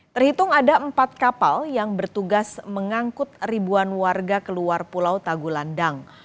terhitung ada empat kapal yang bertugas mengangkut ribuan warga keluar pulau tagulandang